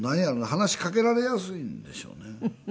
話しかけられやすいんでしょうね。